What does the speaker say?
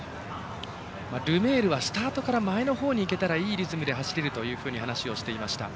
ルメールはスタートから前のほうにいけたらいいリズムで走れるというふうに話をしていました。